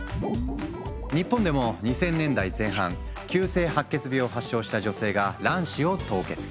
日本でも２０００年代前半急性白血病を発症した女性が卵子を凍結。